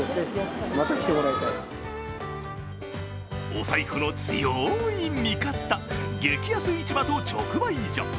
お財布の強い味方、激安市場と直売所。